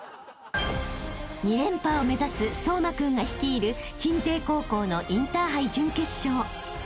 ［２連覇を目指す颯真君が率いる鎮西高校のインターハイ準決勝］